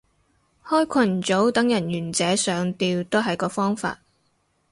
開群組等人願者上釣都係個方法